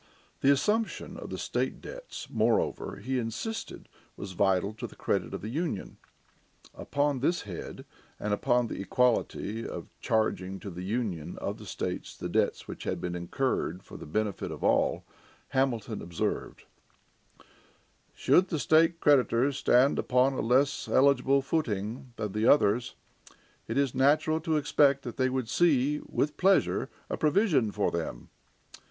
The assumption of the state debts, moreover, he insisted was vital to the credit of the Union. Upon this head, and upon the equity of charging to the Union of the states the debts which had been incurred for the benefit of all, Hamilton observed: "Should the state creditors stand upon a less eligible footing than the others, it is unnatural to expect they would see with pleasure a provision for them.